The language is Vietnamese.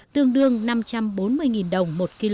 tương đương năm trăm bốn mươi đồng một kg